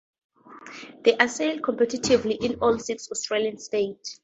They are sailed competitively in all six Australian states.